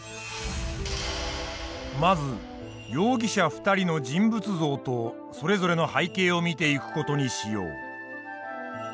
まず容疑者２人の人物像とそれぞれの背景を見ていく事にしよう。